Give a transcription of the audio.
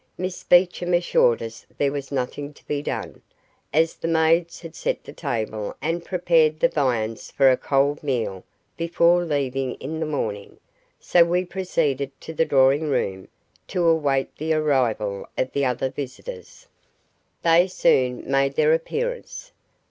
Miss Beecham assured us there was nothing to be done, as the maids had set the table and prepared the viands for a cold meal before leaving in the morning, so we proceeded to the drawing room to await the arrival of the other visitors. They soon made their appearance.